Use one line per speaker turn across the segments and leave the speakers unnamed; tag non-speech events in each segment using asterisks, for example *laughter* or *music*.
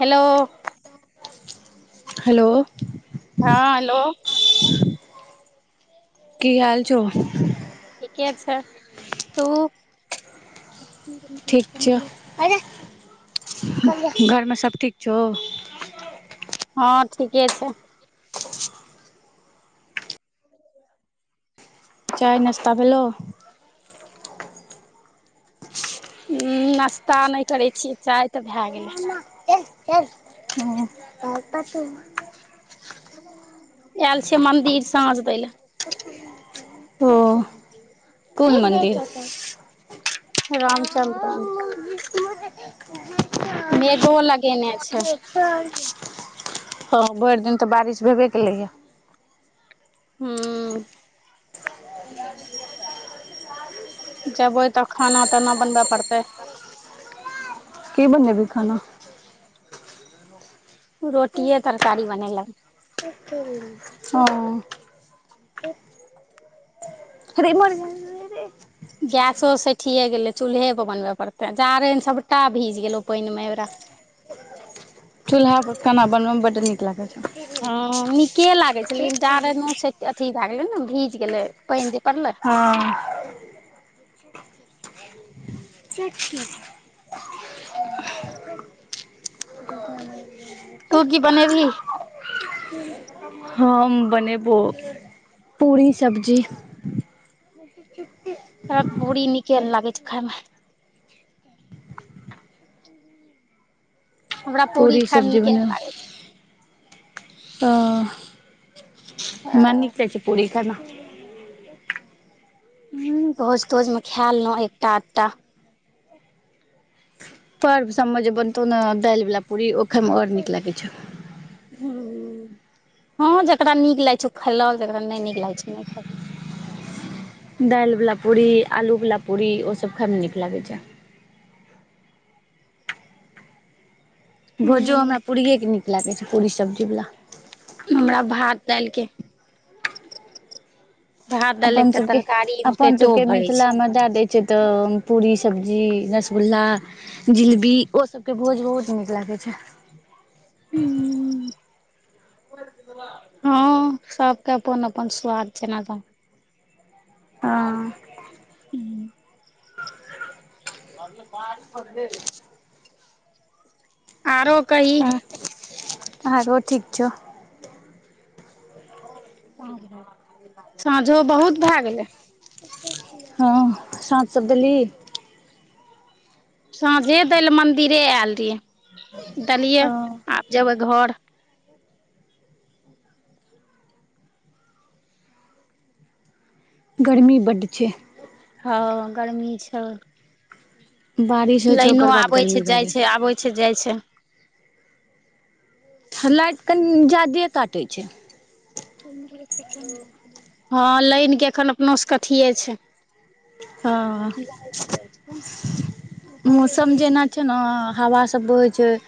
Hello.
Hello.
हँ hello.
की हाल छौ?
ठीके छै तू
ठीक छौ घरमे सब ठीक छौ?
हँ ठीके छै।
चाय नाश्ता भेलो?
हम्म नास्ता नहि करै छि चाय तऽ भए गेलै।
ह हू पाछू
आयल छिय मन्दिर साझ दैइ लए।
क *inaudible*
रामचन्द्र अंक।
*inaudible*
मेघो लगेने छैय।
ह भरि दिन तऽ बारिश भेबे केलैये।
हूॅं। जेबै तऽ खाना-ताना बनबय पड़तै।
की बनेभी खाना?
रोटिये तरकारी बनेलै।
*inaudible* हऽ। *unintelligible*
गैसो सठिये गेलै चूल्हे पर बनबय पड़ते जारेन सबटा भीज गेलो पइन मे अहि बेरा।
चूल्हा पर खाना बनबोमे बड्ड नीक लागत।
ह नीके लागे छै लेकिन जारनो से अथी भए गेलैने भीज गेलै पइन जे पड़ले।
ह। *unintelligible*
तु की बनेबही?
*inaudible* हम बनेबो पूरी सब्जी। सुि *inaudible*
हमरा पुरी निके नहि लागे छै खाय में। हमरा
पूरी
खायमे
सब्जी
नीके ने लागै छै
बनेबै अ। हमरा नीक
ह
जा छै पूरी खेएमे।
ह, भोज-तोज मे खेए लेलहुँ एकटा आधटा।
पर्व सभमे जे बनतौ ने दालि वाला पूरी ओ खाय मे और नीक लागै छै।
हुँ-हुँ ह जेकरा नीक लागैत छै ओ खेलल जकरा नहि नीक लागैत छै उ नहि खाय।
दालिवाला पूरी, आलूवाला पूरी ओ सभ खाय मे नीक लागै छै। भुजो हमरा
ह
पूरीयेके नीक लागै छै। पूरी सब्जीवला
हमरा भात दाईल के
अपन सभके, अपन
पेटो
सभके
भरै छै
मिथिला मे दै दैत। से तऽ पूड़ी, सब्‍जी, रसगुल्ला। जिलेबी ओ सबके भोज बहुत नीक लागै छैय *unintelligible*
हं सभके अपन अपन स्वाद छैय एना त
हँ
ह *inaudible* अर बड़ी ब *inaudible* आरो कहि?
आरो ठीक छौ
सांझो बहुत भए गेलै
हं सांझ सब देलही
सांझे दै ले मंदिरे आयल रहियै देलिये आब जेबय घर
गर्मी बड्ड छैय
हं गर्मी छौ
बारिश होइ छै ओकर
लाइनो
बाद
आबै
गर्मी
छैय
भए
जाइ छैय आबै छैय जाइ छैय
हं लाइट कनि जादे काटै छैय
हं लाइन के एखन अपनो सबके अथिए छैय
हं मौसम जेना छैय न हावा सब बहै छैय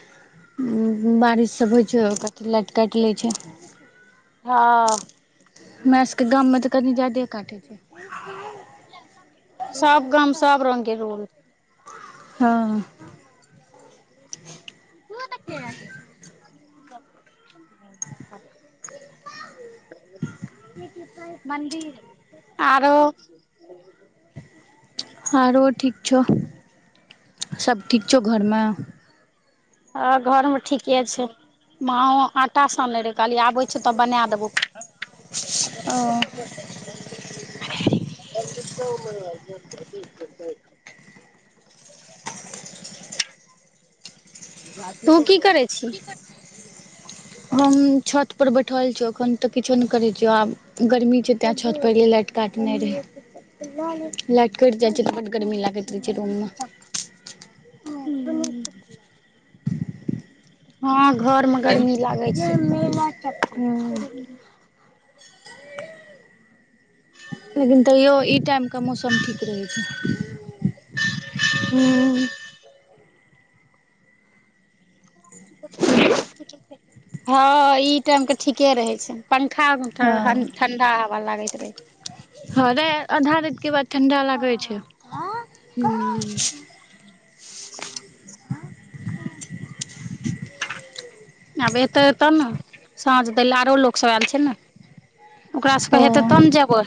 हूं हूं बारिश सब होइ छैय और कथी लाइट काटि लैय छैय
हं
हमरा सबके गाममे तऽ कनी जायदे काटै छैय
सब गम सब रंग के रुल
हं
*inaudible* त क खख *inaudible* मंदिर आरो।
आरो ठीक छौउ सब ठीक छौउ घरमे
ओर घर में ठीके छैय मांओ आटा साने रहे कहलियै आबै छैय तब बना देबौ
ओ
*unintelligible* तू की करै छी
हम छत पर बैठल छीयौ अखन तऽ किछो नहि करैय छियौ आब गर्मी छैय तैं छत पर एलियै लाइट काटने रहै लाइट कैट जाइ छियै तऽ बड गर्मी लागैत रहै छैय रूम मे न
हूं हं घर मे गर्मी लागै छैय एत
लेकिन तैयो ई टाइम के मौसम ठीक रहै छैय
हूं हं ई टाइमके ठीके रहै छैय पंखा
हँ
*unintelligible* ठंडा हवा लागैत रहै
ह रे आधा रातिके बाद ठण्डा लागै छैय
हूं आब एतै तऽ न, साँझ दै लऽ आरो लोक सब एल छै ने। ओकरा सबके हेतै तब न जेबै?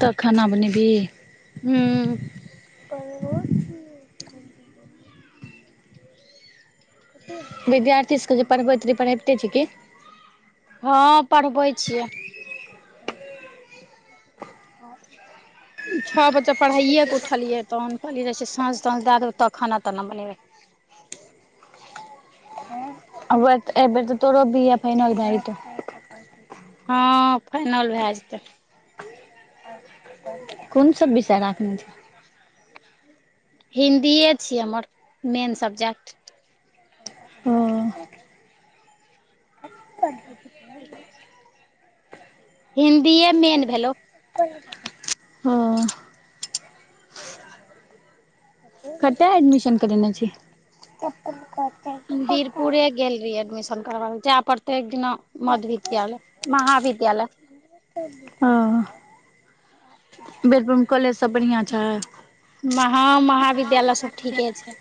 तऽ खाना बनेबही?
हूम्म।
*inaudible* विद्यार्थी सबके जे पढ़बैत रै, पढ़हैबते छीयै की?
हँ पढ़बै छियै।
हॉं।
छऽ बजे पढ़ाइए कऽ उठलियै, तहन कहलियै जाय छी साँझ-ताँझ दैऽ देबै तब खाना-ताना बनेबै।
आबेत अइ बेर तऽ तोरो बी ए फाइनल भैऽ जेतौ?
हँ फाइनल भैऽ जेतै।
कुन सब विषय राखने छैं?
हिन्दीए छियै हमर मेन सब्जेक्ट।
ओऽ।
*inaudible* हिन्दीेए मेन भेलौ।
*inaudible* हॉं। कताऽ एडमिशन करेने छी?
हम बीरपुरे गेल रहिये एडमिशन करबाबै, जैऽय पड़तै एक दिना मध्य विद्यालय महाविद्यालय।
हाॅं। बीरपुर में कॉलेज सब बढ़िआँ छै?
महा महाविद्यालय सब ठीके छै।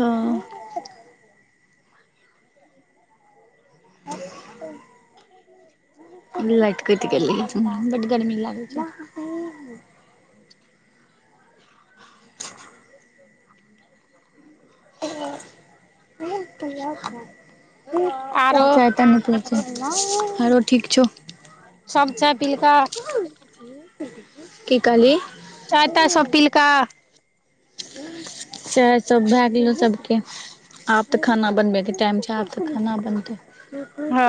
हँ
*inaudible*
लाइट कैइट गेलै अहीठुमा, बड गर्मी लागै छै।
आरो
चाय ताय न‌इ पिबैइ छी, हाॅं रौ ठीक छौ।
सब चाय पिलकै?
की कहलही?
चाय-ताय सब पीलकै?
चाय सब भैऽ गेलौ सबके। आब तऽ खाना बनबै के टाइम छै, आब‌ तऽ खाना बनतै।
हँ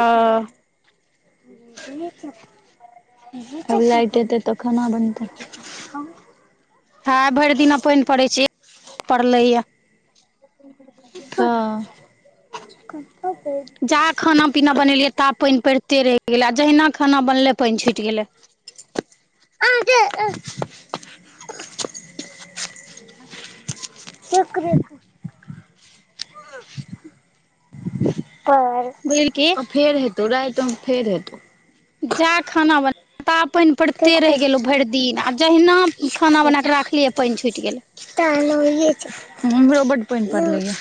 आब लाइट ऐतै तऽ खाना बनतै।
हँ भैर दिना पैइन पड़ै छै, ए *inaudible* पड़लैयैऽ। *inaudible*
हँ।
जा खाना पीना बनेलियै ता पैइन पैड़ते रैह गेलै, आ जहिना खाना बनलै पइन छूइट गेलै।
आ जे *unintelligible* शुक्र रेखा *unintelligible* कॉर
बुइलकी
फेर हेतौ, राइतो में फेर हेतौ।
जा खाना बन *inaudible* ता पैइन पैड़ते रैह गेलौ भैर दिन, आ जहिना खाना बनाकऽ राखलियै पइन छुइटि गेलै।
*unintelligible* हुमरो बड पैइन पड़लैयैऽ।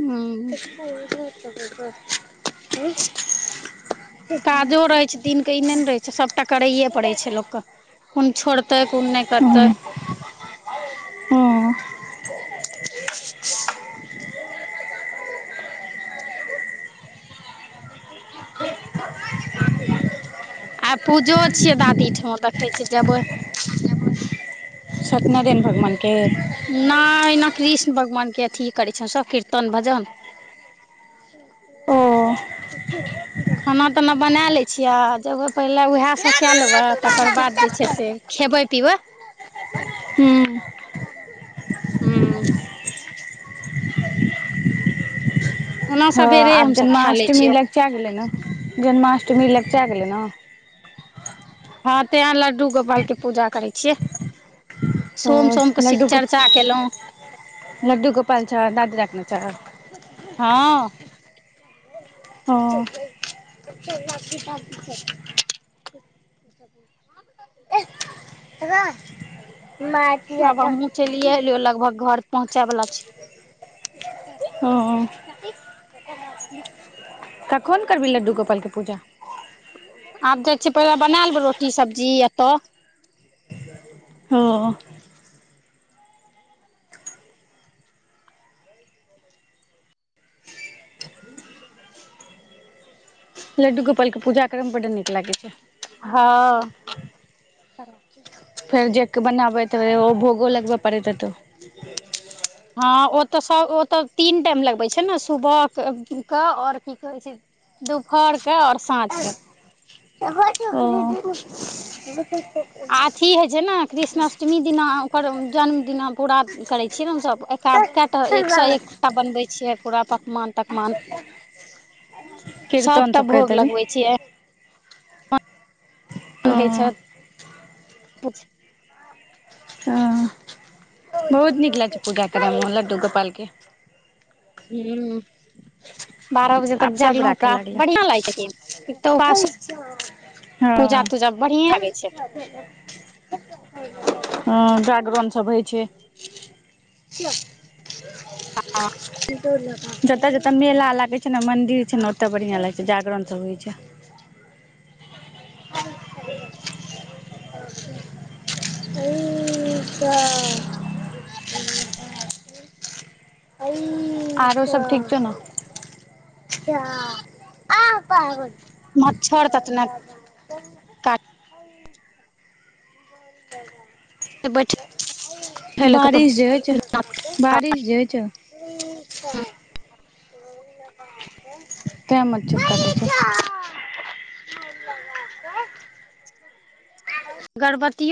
हूम्म।
*inaudible*
काजो रहै छै दिन क ई नै न रहै छै, सबटा करैये पड़ै छै लोक क। कुन छोड़तै कुन नैय करतै?
हँ
*inaudible* आइ पूजो छियै दादीठाम, देखै छियै जेबै।
सतनरेन भगमान के?
नाइ एना कृष्ण भगवान के अथी करै छै, सब कीर्तन भजन।
ओ *inaudible*
खाना ताना बना लै छियै, जेबै पहिले ऊहैऽ सब कैऽ लेबै, तकर बाद जे छै से खेबै पिबै।
हूँम्म।
हँम्म। ओना
हँ
सवेरे
आब
हमसभ खा लै
जन्माष्टमी
छियै
लगचीया गेलै न, जन्माष्टमी लगचीया गेलै न?
हँ, तैं लड्डू गोपाल के पूजा करै छियै। सोम सोमके
ह्म्म
शिव
लड्डू गोप,
चर्चा केलहुँ
लड्डू गोपाल छाई, दादू राखने छै।
हँ।
हॉं। *unintelligible* *unintelligible*
आब हमहुँ चैलिये एलियौ लगभग घर पहुँचै बला
हँम्म। कखन करबिही लड्डू गोपाल के पूजा?
आब जाइ छियै पहिले बना लेबै रोटी सब्जी, आ तऽ
हॉं। लड्डू गोपाल के पूजा करऽ में बड नीक लागै छै।
हँ।
फेर जे बनाबैत रहै, ओ भोगो लगबऽ पड़ैत हेतौ? *inaudible*
हँ ओ तऽ सब ओ तऽ तीन टाइम लगबै छै न, सुबह क-क ओर की कहै छै? दुपहर क और साँझ क।
अहाँके *unintelligible* *unintelligible*
आ थी है जेना कृष्णाष्टमी दिना ओकर जन्मदिना पूरा करै छियै न हमसब एका कैऽटा? एक सौऽ एकटा बनबै छियै, पूरा पकवान तकवान।
कीर्तन
सबटा
सब करैत
भोग
हेबी
लगबै छियै। होइ
ओ
छथि, पुछ
हुँ। बहुत नीक लागऽ छैय पूजा करै में लड्डू गोपाल केँ।
हूँम्म। बारऽ बजे
आब
तक
सब
जगलौं
राखै
ता,
लागलै
बढ़िआँ लाइ छै लेकिन। पूजा-तूजा बढ़िएं लगै छैय।
*inaudible* हँम्म, डाकबम सब होइ छैय।
हँ।
जताॅऽ-जताॅऽ मेला लागे छै ने मंदिर छै ने, ओतऽ बढ़िया लागे छै, जागरण सब होइ छैय। ऐइऽ तऽ आरो सब ठीक छौ ना? आऽ पागल
मच्छर
काॅल
ततने
लागैयऽ।
बैठे
*inaudible*
लए
बारिश जे होइ
कतहु
छैय, बारिश जे होइत छैय। पीछा तेँ मच्छर *unintelligible* काटेय छै।
गरवतिये